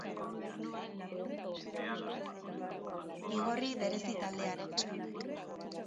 Igorri berezi taldearen eskutik.